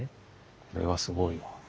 これはすごいわ。